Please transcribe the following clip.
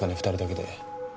２人だけで。